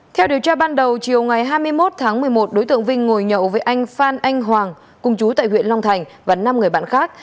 theo điều tra ban đầu chiều ngày hai mươi một tháng một mươi một đối tượng vinh ngồi nhậu với anh phan anh hoàng cùng chú tại huyện long thành và năm người bạn khác